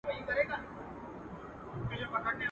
نه چڼچڼۍ سته، نه د زرکو آواز، د چا شپېليو کي نغمې ويښوي.